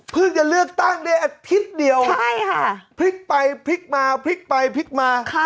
จะเลือกตั้งได้อาทิตย์เดียวพลิกไปพลิกมาพลิกไปพลิกมา